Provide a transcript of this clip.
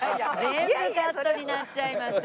全部カットになっちゃいました。